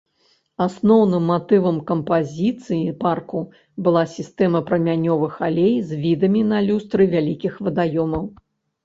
Асноўным матывам кампазіцыі парку была сістэма прамянёвых алей з відамі на люстры вялікіх вадаёмаў.